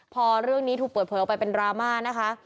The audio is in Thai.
พอเรื่องนี้ถูกเปิดเผยออกไปเป็นดราม่านะคะ